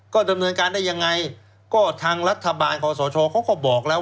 ก็ดำเนินการได้ยังไงก็ทางรัฐบาลคอสชเขาก็บอกแล้ว